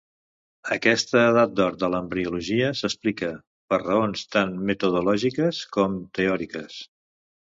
Aquesta edat d'or de l'embriologia s'explica per raons tant metodològiques com teòriques.